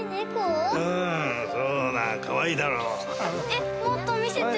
えっもっと見せて。